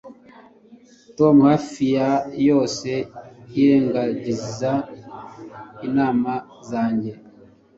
Tom hafi ya yose yirengagiza inama zanjye